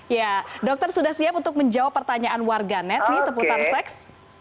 ya dokter sudah siap untuk menjawab pertanyaan warganet nih seputar seks